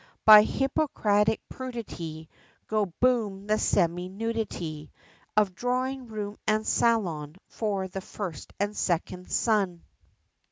By hypocritic prudity, Go boom the semi nudity, Of drawing room and salon, for the first and second son.